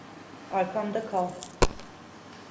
Arkamda kal.